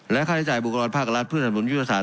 และค่าใช้จ่ายบุคกรภาครัฐเพื่อสนุนยุทธศาส